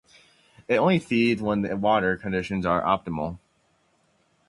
It only feeds when the water conditions are optimal.